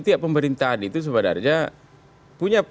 tiap pemerintahan itu sebenarnya punya